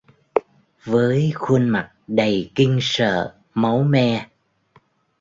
Với khuôn mặt đầy kinh sợ máu me